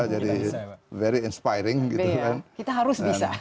jadi very inspiring gitu kan